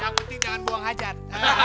ya putih jangan buang hajat